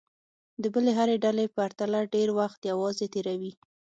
د بلې هرې ډلې پرتله ډېر وخت یوازې تېروي.